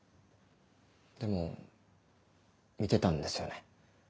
でも見てたんですよね？